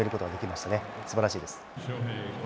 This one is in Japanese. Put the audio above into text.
すばらしいです。